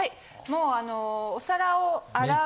もうあのお皿を洗うの。